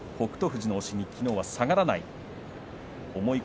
富士の押しにきのうは下がらない。